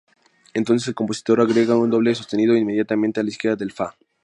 Entonces el compositor agrega un doble sostenido inmediatamente a la izquierda del "fa".